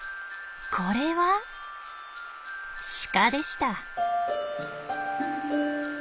これはシカでした。